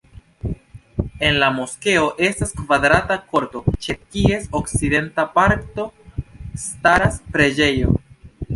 En la moskeo estas kvadrata korto, ĉe kies okcidenta parto staras preĝejo.